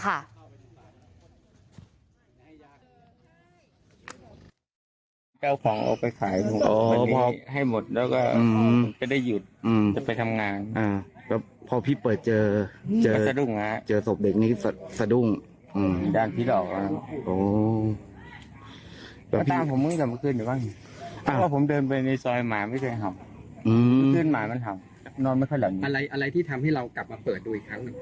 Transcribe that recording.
อะไรที่ทำให้เรากลับมาเปิดดูอีกครั้งหนึ่ง